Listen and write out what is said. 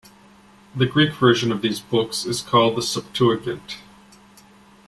The Greek version of these books is called the Septuagint.